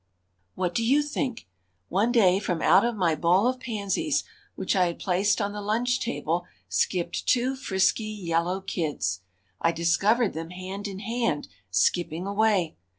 What do you think? One day from out of my bowl of pansies which I had placed on the lunch table skipped two frisky "yellow kids." I discovered them hand in hand skipping away.